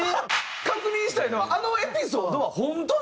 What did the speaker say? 確認したいのはあのエピソードは本当なの？